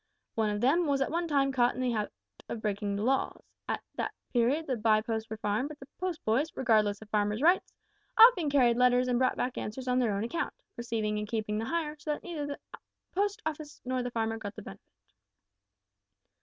One of them was at one time caught in the act of breaking the laws. At that period the bye posts were farmed, but the post boys, regardless of farmers' rights, often carried letters and brought back answers on their own account receiving and keeping the hire, so that neither the Post Office nor the farmer got the benefit.